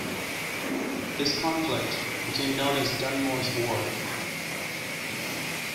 This conflict became known as Dunmore's War.